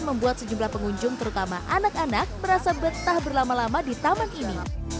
membuat sejumlah pengunjung terutama anak anak merasa betah berlama lama di taman ini